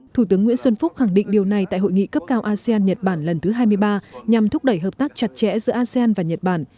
thủ tướng nguyễn xuân phúc khẳng định điều này tại hội nghị cấp cao asean nhật bản lần thứ hai mươi ba nhằm thúc đẩy hợp tác chặt chẽ giữa asean và nhật bản